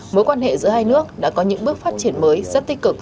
mối quan hệ giữa hai nước đã có những bước phát triển mới rất tích cực